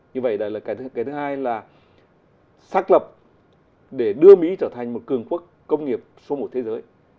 như vậy đấy là cái thứ hai là xác lập để đưa mỹ trở thành một cường quốc công nghiệp số một thế giới